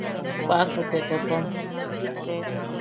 Paʼaku te toʼoton.